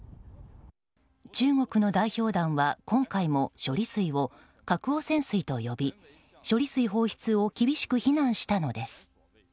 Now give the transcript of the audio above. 中国の代表団は、今回も処理水を核汚染水と呼び、処理水放出を厳しく非難したのです。